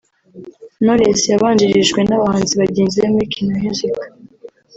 Knowless yabanjirijwe n’abahanzi bagenzi be muri Kina Music